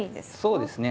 そうですね。